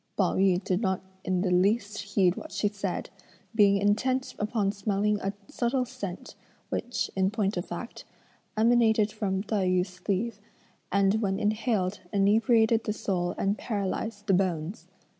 Pao yü did not in the least heed what she said, being intent upon smelling a subtle scent which, in point of fact, emanated from Tai yü's sleeve, and when inhaled inebriated the soul and paralysed the bones.